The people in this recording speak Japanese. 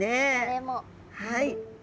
はい。